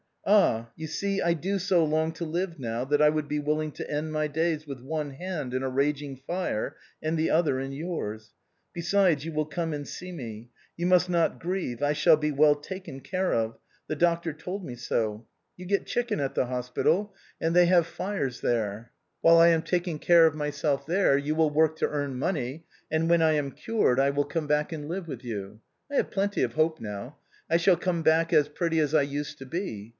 Ah ! you see I do so long to live now, that I would be willing to end my days with one hand in a raging fire and the other in yours. Besides, j^ou will come and see me. You must not grieve, I shall be well taken care of: the doctor told me so. You get chicken at the hospital and they have 332 THE BOHEMIANS OF THE LATIN QUARTEE. fires there. Whilst I am taking care of myself there, you will work to earn money, and wlien I am cured I will come back and live with you. I have plenty of hope now. I shall come back as pretty as I used to be.